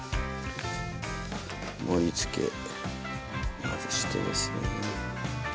盛りつけまずしてですね。